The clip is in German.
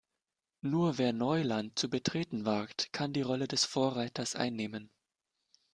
Nur wer Neuland zu betreten wagt, kann die Rolle des Vorreiters einnehmen.